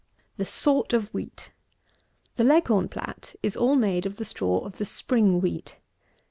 The SORT OF WHEAT. The Leghorn plat is all made of the straw of the spring wheat.